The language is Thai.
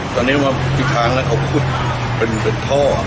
ตอนนี้มาที่ค้างแล้วเขาขุดเป็นท่อ